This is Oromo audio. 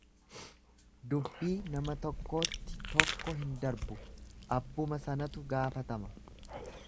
Dubbii nama tokkootti tokko hin darbu, abbuma sanatu gaafatama.